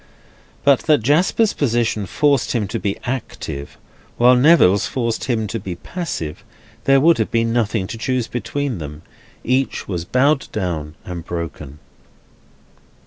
But that Jasper's position forced him to be active, while Neville's forced him to be passive, there would have been nothing to choose between them. Each was bowed down and broken.